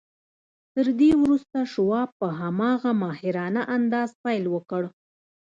تر دې وروسته شواب په هماغه ماهرانه انداز پیل وکړ